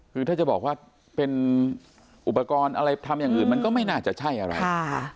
คือถ้าจะบอกว่าเป็นอุปกรณ์อะไรทำอย่างอื่นมันก็ไม่น่าจะใช่อะไร